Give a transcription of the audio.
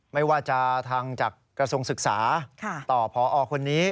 ไม่ว่าจะทางจากกระทรวงศึกษาต่อพอคนนี้